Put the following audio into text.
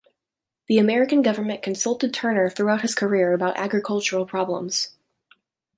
The American government consulted Turner throughout his career about agricultural problems.